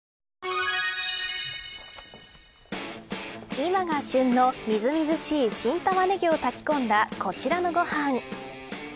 今が旬のみずみずしい新タマネギを炊き込んだこちらのご飯。